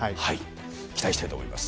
期待したいと思います。